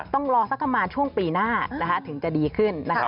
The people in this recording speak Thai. ต้องรอสักประมาณช่วงปีหน้าถึงจะดีขึ้นนะคะ